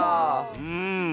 うん。